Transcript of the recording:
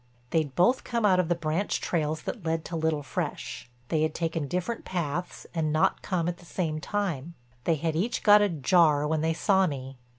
They'd both come out of the branch trails that led to Little Fresh; they had taken different paths and not come at the same time; they had each got a jar when they saw me.